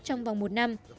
trong vòng một năm